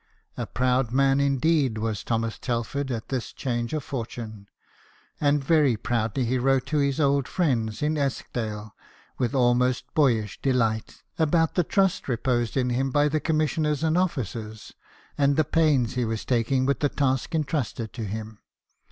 A proud man indeed was Thomas Telford at this change of fortune, and very proudly he wrote to his old friends in Eskdale, with almost boyish delight, about the trust reposed in him by the commissioners and officers, and the pains he was taking with the task entrusted to him.